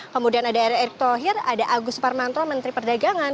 kemudian ada erick tohir ada agus parmanto menteri perdagangan